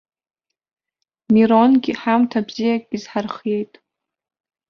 Миронгьы ҳамҭа бзиак изҳархиеит.